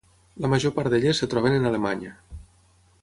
La major part d'elles es troben en Alemanya.